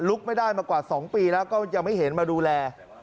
ไม่ได้มากว่า๒ปีแล้วก็ยังไม่เห็นมาดูแล